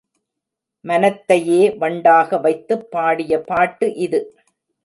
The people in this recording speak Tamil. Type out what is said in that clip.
மனத்தையே வண்டாக வைத்துப் பாடிய பாட்டு இது.